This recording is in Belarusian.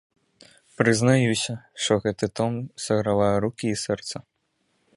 Прызнаюся, што гэты том сагравае рукі і сэрца.